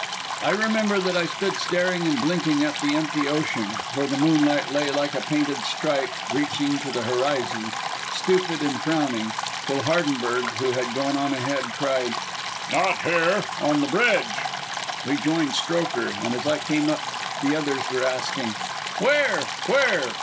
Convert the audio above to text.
I remember that I stood staring and blinking at the empty ocean where the moonlight lay like a painted stripe reaching to the horizon stupid and frowning, till Hardenberg, who had gone on ahead, cried: "Not here on the bridge!" We joined Strokher, and as I came up the others were asking: "Where? Where?"